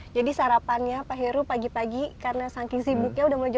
jadi sarapannya pak heru pagi pagi karena sangking sibuknya udah mulai jam tujuh